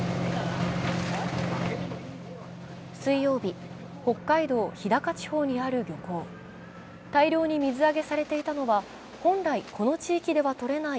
水曜日、北海道日高地方にある漁港大量に水揚げされていたのは、本来この地域では取れない